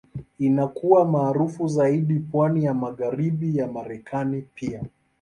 Inakuwa maarufu zaidi pwani ya Magharibi ya Marekani pia.